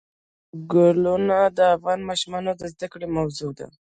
چنګلونه د افغان ماشومانو د زده کړې موضوع ده.